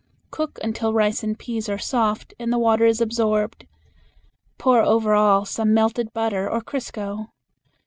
Cook until rice and peas are soft and the water is absorbed. Pour over all some melted butter or crisco.